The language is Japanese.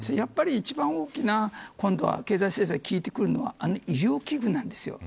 一番大きな経済制裁効いてくるのは医療器具なんです。